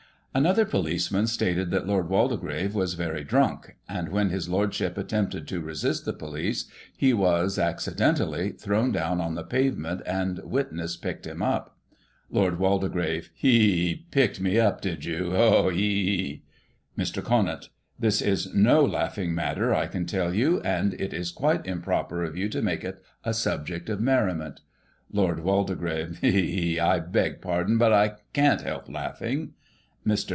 Another policeman stated that Lord Waldegrave was very drunk, and, when his Lordship attempted to resist the police, he was, accidentally, thrown down on the pavement, and witness picked him up. Lord Waldegrave : He ! he ! he ! Picked me up, did you ? Oh! He! he! he! Mr. Conant : This is no laughing matter, I can tell you ; and it is quite improper of you to make it a subject of merriment. Lord Waldegrave: He! he! he! I beg pardon, but I Ccin't help laughing. Mr.